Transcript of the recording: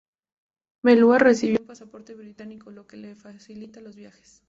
Melua recibió un pasaporte británico, lo que le facilita los viajes.